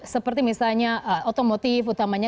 seperti misalnya otomotif utamanya